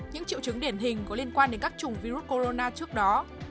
những triệu chứng điển hình có liên quan đến các chủng virus corona trước đó